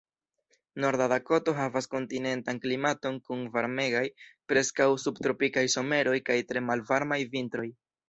Norda Dakoto havas kontinentan klimaton kun varmegaj, preskaŭ subtropikaj someroj kaj tre malvarmaj vintroj.